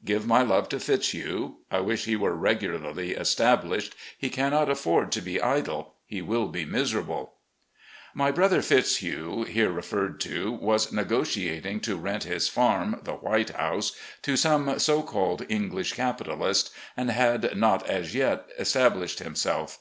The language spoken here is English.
... Give my love to Fitzhugh. I wish he were regularly established. He cannot afford to be idle. He will be miserable." My brother Fitzhugh, here referred to, was negotiating to rent his farm, the White House, to some so called 835 236 RECOLLECTIONS OP GENERAL LEE English capitalists, and had not as yet established him self.